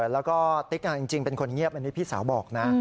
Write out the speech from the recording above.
แล้วก็ติ๊กจริงเป็นคนเงียบอันนี้พี่สาวบอกนะ